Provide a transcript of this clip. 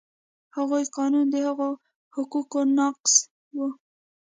هغوی قانون د هغو حقوقو نقض و.